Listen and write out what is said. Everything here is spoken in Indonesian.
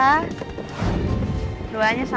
bang batu barnia itu